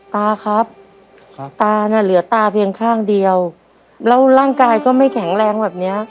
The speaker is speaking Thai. ตาครับตาน่ะเหลือตาเพียงข้างเดียวแล้วร่างกายก็ไม่แข็งแรงแบบเนี้ย